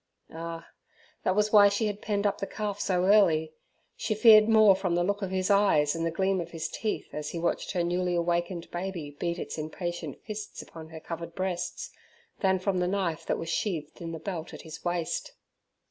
Ah! that was why she had penned up the calf so early! She feared more from the look of his eyes, and the gleam of his teeth, as he watched her newly awakened baby beat its impatient fists upon her covered breasts, than from the knife that was sheathed in the belt at his waist.